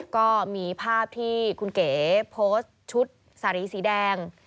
ก็มีภาพที่คุณเก๋โพสต์ชุดสารีสีแดง